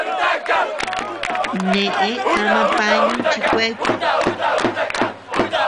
Neʼë ama pañu chi kueaku.